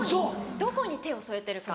どこに手を添えてるか。